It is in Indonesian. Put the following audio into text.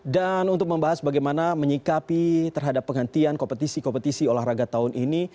dan untuk membahas bagaimana menyikapi terhadap penghentian kompetisi kompetisi olahraga tahun ini